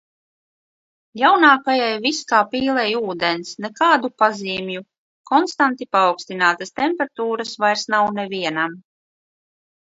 Jaunākajai viss kā pīlei ūdens – nekādu pazīmju. Konstanti paaugstinātas temperatūras vairs nav nevienam.